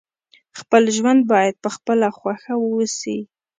خپل ژوند باید په خپله خوښه وسي.